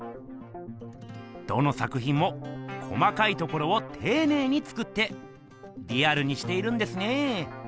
どの作ひんも細かいところをていねいに作ってリアルにしているんですね。